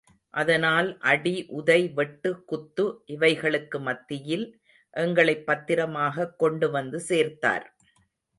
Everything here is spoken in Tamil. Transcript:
அதனால் அடி உதை, வெட்டு, குத்து, இவைகளுக்கு மத்தியில் எங்களைப் பத்திரமாகக் கொண்டு வந்து சேர்த்தார்.